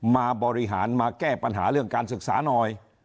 มาบริหารมาแก้ปัญหาเรื่องการศึกษาหน่อย